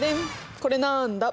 これなんだ！